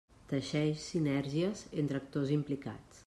Teixeix sinergies entre actors implicats.